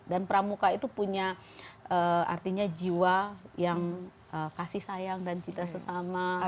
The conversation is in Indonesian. dan pramuka itu punya artinya jiwa yang kasih sayang dan cinta sesama